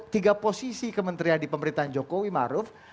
tiga posisi kementerian di pemerintahan jokowi maruf